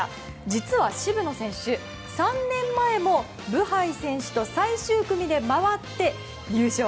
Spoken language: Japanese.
実は、渋野選手３年前もブハイ選手と最終組で回って優勝。